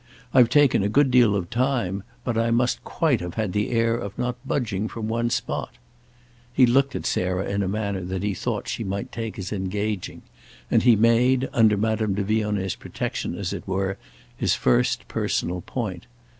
I've taken a good deal of time, but I must quite have had the air of not budging from one spot." He looked at Sarah in a manner that he thought she might take as engaging, and he made, under Madame de Vionnet's protection, as it were, his first personal point.